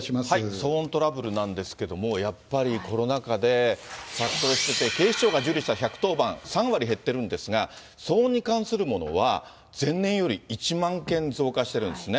騒音トラブルなんですけれども、やっぱりコロナ禍で増加してて、警視庁が受理した１１０番、３割減っているんですが、騒音に関するものは前年より１万件増加してるんですね。